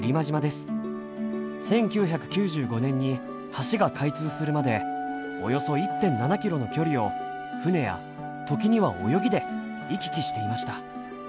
１９９５年に橋が開通するまでおよそ１．７キロの距離を船や時には泳ぎで行き来していました。